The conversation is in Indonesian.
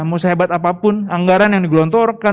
mau sehebat apapun anggaran yang digelontorkan